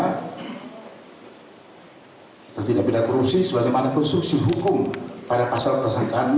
atau tidak pidana korupsi sebagai manakonstruksi hukum pada pasal persahakan